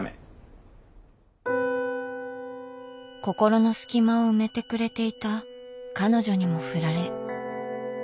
心の隙間を埋めてくれていた彼女にもふられ。